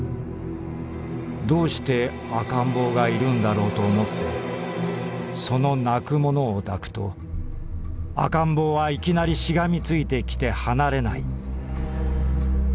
どうして赤ん坊がいるんだろうと思ってその泣く者を抱くと赤ん坊はいきなりしがみついてきて離れない」。